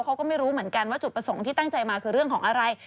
เขาก็ไม่รู้เหมือนกันว่าจุดประสงค์ที่ตั้งใจมาคือเรื่องของอะไร